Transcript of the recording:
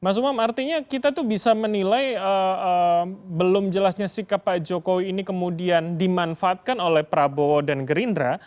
mas umam artinya kita tuh bisa menilai belum jelasnya sikap pak jokowi ini kemudian dimanfaatkan oleh prabowo dan gerindra